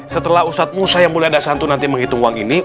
setelah ustadmu sayang mulia dasantu nanti menghitung uang ini